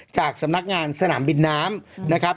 จากสำนักงานสนามบินน้ำนะครับ